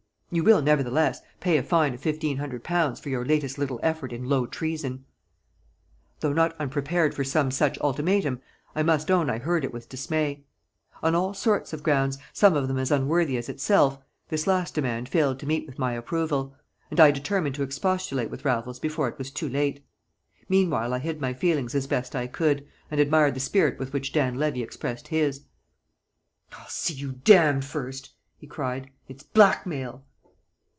You will, nevertheless, pay a fine of fifteen hundred pounds for your latest little effort in low treason." Though not unprepared for some such ultimatum, I must own I heard it with dismay. On all sorts of grounds, some of them as unworthy as itself, this last demand failed to meet with my approval; and I determined to expostulate with Raffles before it was too late. Meanwhile I hid my feelings as best I could, and admired the spirit with which Dan Levy expressed his. "I'll see you damned first!" he cried. "It's blackmail!"